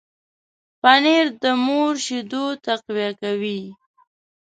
پنېر د مور شیدو تقویه کوي.